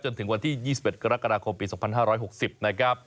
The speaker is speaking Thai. จนถึงวันที่๒๑กรกฎาคมปี๒๕๖๐นะครับ